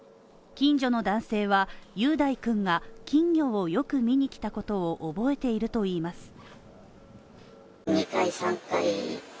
近所の男性は、雄大君が金魚をよく見にきたことを覚えているといいます。